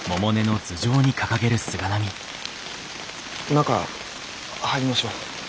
中入りましょう。